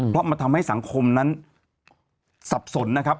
เพราะมันทำให้สังคมนั้นสับสนนะครับ